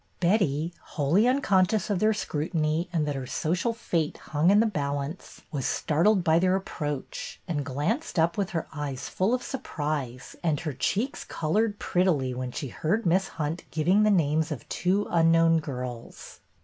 Betty, wholly unconscious of their scrutiny and that her social fate hung in the balance, was startled by their approach, and glanced up with her eyes full of surprise, and her cheeks colored prettily when she heard Miss Hunt giving the names of two unknown girls.